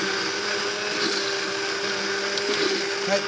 はい。